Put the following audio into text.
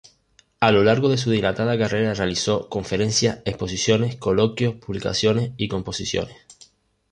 A lo largo de su dilatada carrera realizó conferencias, exposiciones, coloquios, publicaciones y composiciones.